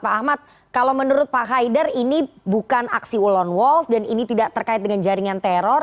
pak ahmad kalau menurut pak haidar ini bukan aksi ul lone wolf dan ini tidak terkait dengan jaringan teror